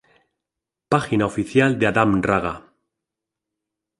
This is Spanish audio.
Página oficial de Adam Raga